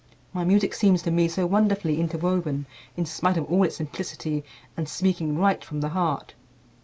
My music seems to me so wonderfully interwoven, in spite of all its simplicity, and speaking right from the heart.